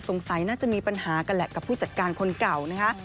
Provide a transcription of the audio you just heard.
น่าจะมีปัญหากันแหละกับผู้จัดการคนเก่านะคะ